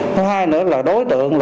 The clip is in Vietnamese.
thứ hai nữa là đối tượng